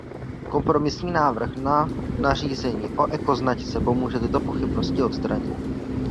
Kompromisní návrh na nařízení o ekoznačce pomůže tyto pochybnosti odstranit.